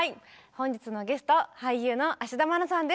本日のゲスト俳優の田愛菜さんです。